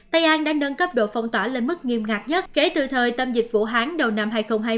tây an đã nâng cấp độ phong tỏa lên mức nghiêm ngặt nhất kể từ thời tâm dịch vụ vũ hán đầu năm hai nghìn hai mươi